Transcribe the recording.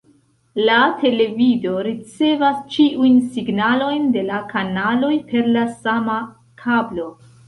La televido ricevas ĉiujn signalojn de la kanaloj per la sama kablo.